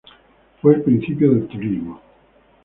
Fue el principio del turismo.